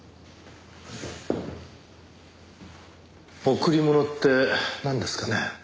贈り物ってなんですかね？